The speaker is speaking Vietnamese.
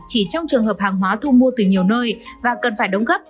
chỉ trong trường hợp hàng hóa thu mua từ nhiều nơi và cần phải đóng gấp